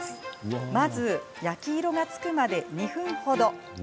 まず、焼き色がつくまで２分程。